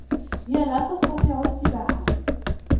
هي لا تستطيع السباحة.